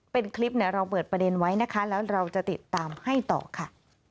เป็นคลิปเราเปิดประเด็นไว้นะคะแล้วเราจะติดตามให้ต่อค่ะ